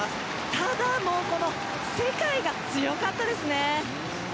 ただ、この世界が強かったですね。